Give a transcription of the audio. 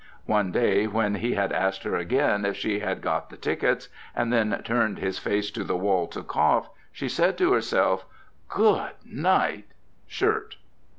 One day when he had asked her again if she had got the tickets, and then turned his face to the wall to cough, she said to herself, "Good night shirt."